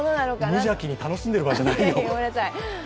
無邪気に楽しんでる場合じゃないよ。